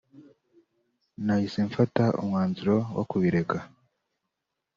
nahise mfata umwanzuro wo kubireka